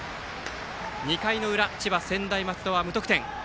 ２回の裏、千葉・専大松戸は無得点。